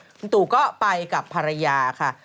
คุณตู่ก็ไปกับภรรยาค่ะ